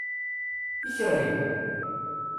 Ikeri-w?